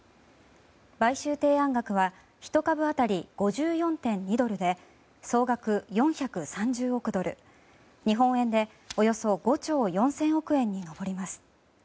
買収提案額は１株当たり５４．２ドルで総額４３０億ドル日本円で、およそ５兆４０００億円に上ります。